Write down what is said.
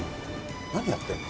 何やってんの？